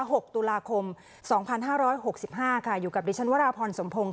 หกตุลาคมสองพันห้าร้อยหกสิบห้าค่ะอยู่กับดิฉันวราพรสมพงศ